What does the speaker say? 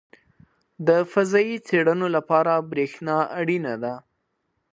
• د فضایي څېړنو لپاره برېښنا اړینه ده.